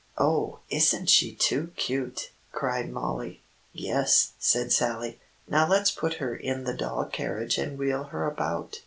"Oh, isn't she too cute!" cried Mollie. "Yes," said Sallie. "Now let's put her in the doll carriage and wheel her about."